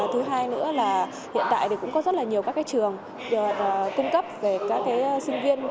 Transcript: thứ hai nữa là hiện tại thì cũng có rất là nhiều các trường cung cấp về các sinh viên